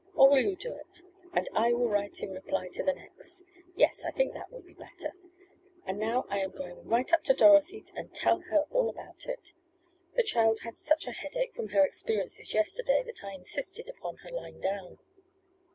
Or will you do it? And I will write in reply to the next. Yes, I think that would be better. And now I am going right up to Dorothy and tell her all about it. The child had such a headache from her experiences yesterday that I insisted upon her lying down.